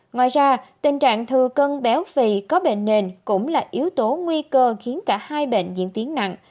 ngoài ra tình trạng thừa cân béo phì có bệnh nền cũng là yếu tố nguy cơ khiến cả hai bệnh diễn tiến nặng